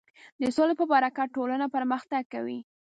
د سولې په برکت ټولنه پرمختګ کوي.